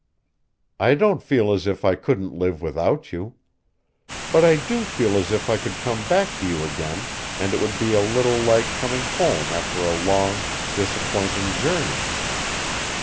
I don't feel as if I couldn't live without you. But I do feel as if I could come back to you again and it would be a little like coming home after a long, disappointing journey.